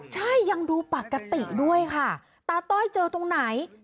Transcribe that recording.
ใช่ยังดูปกติด้วยค่ะ